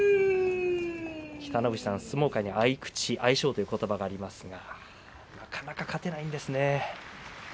北の富士さん、相撲界に合い口、相性ということばがありますがなかなか勝てないですね。